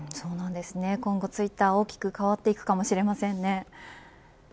今後ツイッターは大きく変わっていくかもしれませんね。